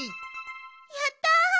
やった！